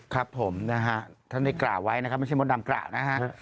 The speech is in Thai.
ครับผมนะฮะถ้าไม่กระไว้นะครับไม่ใช่มดดำกระนะฮะ